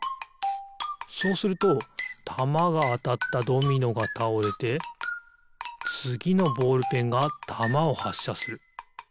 そうするとたまがあたったドミノがたおれてつぎのボールペンがたまをはっしゃする。